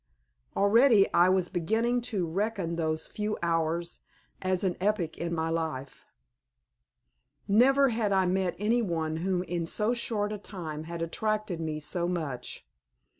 Already I was beginning to reckon those few hours as an epoch in my life. Never had I met any one whom in so short a time had attracted me so much.